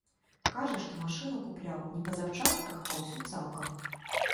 Кажа, што машыну купляў не па запчастках, а ўсю цалкам.